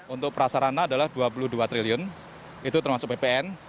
untuk prasarana adalah rp dua puluh dua triliun itu termasuk ppn